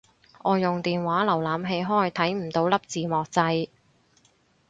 我用電話瀏覽器開睇唔到粒字幕掣